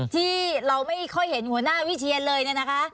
ที่เราไม่ค่อยเห็นหัวหน้าวิเชียนเลยเนี่ยนะคะ